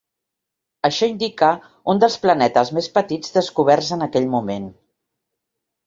Això indica un dels planetes més petits descoberts en aquell moment.